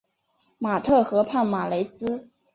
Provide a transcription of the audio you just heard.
马特河畔马雷斯。